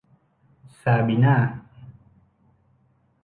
ซาบีน่า